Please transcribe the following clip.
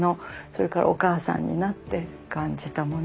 それからお母さんになって感じたもの。